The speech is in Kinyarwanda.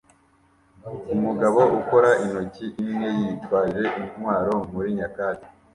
Umugabo ukora intoki imwe yitwaje intwaro muri nyakatsi